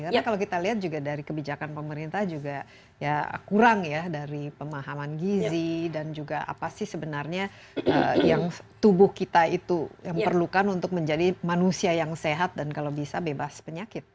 karena kalau kita lihat juga dari kebijakan pemerintah juga ya kurang ya dari pemahaman gizi dan juga apa sih sebenarnya yang tubuh kita itu yang perlukan untuk menjadi manusia yang sehat dan kalau bisa bebas penyakit